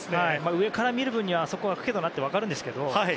上から見る分にはあそこ、空くけどなって分かるんですけどね。